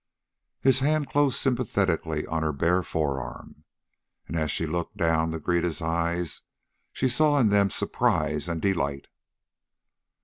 His hand closed sympathetically on her bare forearm, and as she looked down to greet his eyes she saw in them surprise and delight.